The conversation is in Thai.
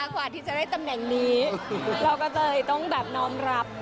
กว่าที่จะได้ตำแหน่งนี้เราก็เลยต้องแบบน้อมรับ